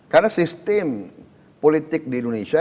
karena sistem politik di indonesia